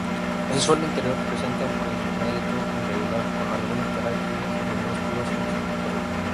El suelo interior presenta un perímetro irregular, con algunos cráteres minúsculos en su contorno.